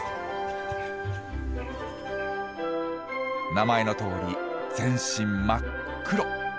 名前のとおり全身真っ黒。